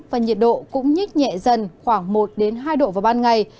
và nhiệt độ cũng nhích nhẹ dần khoảng một hai độ vào ban ngày